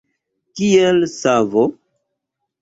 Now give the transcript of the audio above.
Kiel savo.